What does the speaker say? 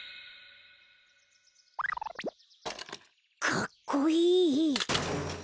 かっこいい！